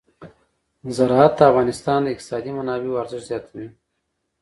زراعت د افغانستان د اقتصادي منابعو ارزښت زیاتوي.